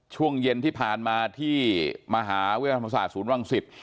ช่วงเย็นที่ผ่านมาที่มหาวิทยาลัยธรรมศาสตศูนย์วังศิษย์